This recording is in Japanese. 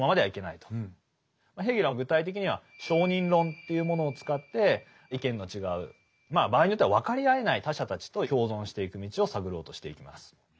ヘーゲルは具体的には承認論というものを使って意見の違う場合によっては分かり合えない他者たちと共存していく道を探ろうとしていきます。